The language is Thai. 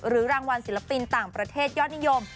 รางวัลศิลปินต่างประเทศยอดนิยม